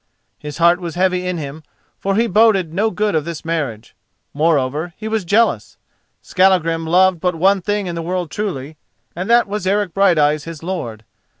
His heart was heavy in him, for he boded no good of this marriage. Moreover, he was jealous. Skallagrim loved but one thing in the world truly, and that was Eric Brighteyes, his lord.